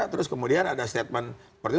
terus kemudian ada statement